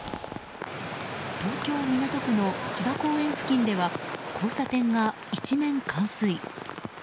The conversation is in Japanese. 東京・港区の芝公園付近では交差点が一面冠水。